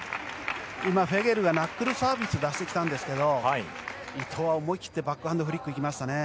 フェゲルがナックルサービスを出してきたんですけど伊藤は思い切ってバックハンドフリックいきましたね。